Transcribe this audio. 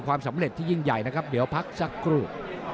ความสำเร็จที่ยิ่งใหญ่นะครับเดี๋ยวพักสักครู่